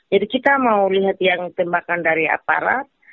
jadi kita mau lihat yang tembakan dari aparat